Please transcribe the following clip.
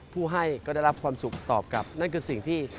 ผู้ให้ก็ได้รับความสุขตอบกลับนั่นคือสิ่งที่